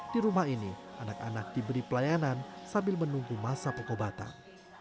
di rumah ini anak anak diberi pelayanan sambil menunggu masa pengobatan